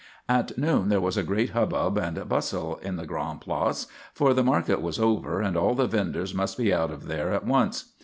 At noon there was a great hubbub and bustle in the Grande Place, for the market was over and all the vendors must be out of there at once.